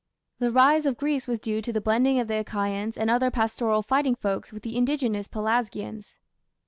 The rise of Greece was due to the blending of the Achaeans and other pastoral fighting folks with the indigenous Pelasgians.